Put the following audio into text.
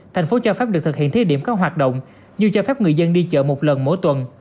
thành phố cho phép được thực hiện thí điểm các hoạt động như cho phép người dân đi chợ một lần mỗi tuần